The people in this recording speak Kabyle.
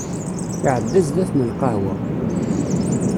Iɛedda zdat n lqahwa.